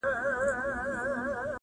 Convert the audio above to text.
خو اصلي درد هېڅوک نه درک کوي سم,